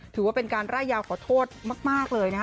ถือว่าเป็นการไล่ยาวขอโทษมากเลยนะฮะ